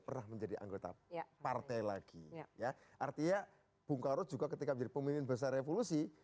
pernah menjadi anggota partai lagi artinya bung karno juga ketika jadi pemilihan besar revolusi